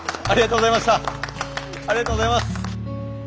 ありがとうございます。